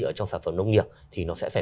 ở trong sản phẩm nông nghiệp thì nó sẽ phải